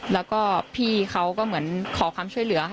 แล้วก็พี่เขาก็เหมือนขอความช่วยเหลือค่ะ